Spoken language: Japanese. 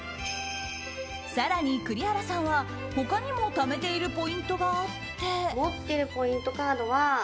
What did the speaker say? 更に栗原さんは他にもためているポイントがあって。